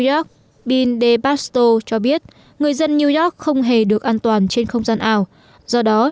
york bill de pasto cho biết người dân new york không hề được an toàn trên không gian ảo do đó